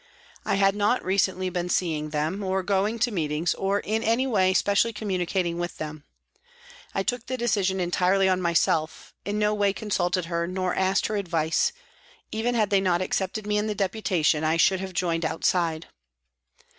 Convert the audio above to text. I had not recently been seeing them, or going to meetings, or in any way specially communicating with them. I took the decision entirely on myself, in no way con sulted her nor asked her advice ; even had they not accepted me in the deputation I should have joined outside.